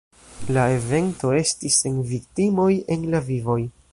La evento estis sen viktimoj en la vivoj.